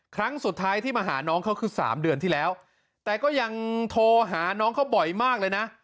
ครั้งสุดท้ายที่มาหาน้องเขาคือสามเดือนที่แล้วแต่ก็ยังโทรหาน้องเขาบ่อยมากเลยนะ